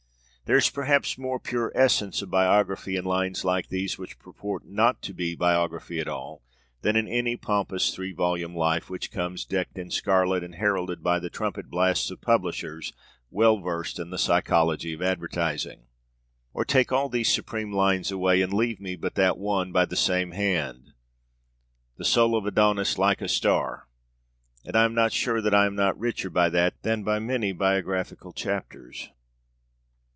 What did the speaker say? There is perhaps more pure essence of biography in lines like these, which purport not to be biography at all, than in any pompous three volume 'Life,' which comes decked in scarlet, and heralded by the trumpet blasts of publishers well versed in the psychology of advertising. Or take all these supreme lines away and leave me but that one by the same hand, 'The soul of Adonaïs like a star,' and I am not sure that I am not richer by that, than by many biographical chapters.